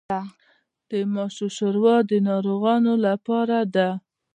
د ماشو شوروا د ناروغانو لپاره ده.